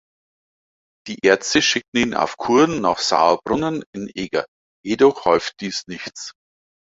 Die Ärzte schickten ihn auf Kuren nach Sauerbrunnen in Eger, jedoch half dies nichts.